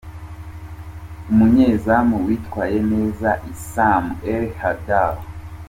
Umunyezamu witwaye neza : Issam El Hadary .